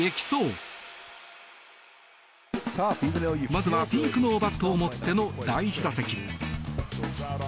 まずはピンクのバットを持っての第１打席。